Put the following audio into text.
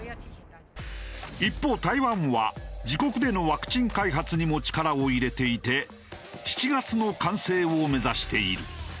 一方台湾は自国でのワクチン開発にも力を入れていて７月の完成を目指している。